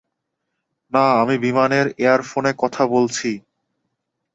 না, আমি বিমানের এয়ার ফোনে কথা বলছি।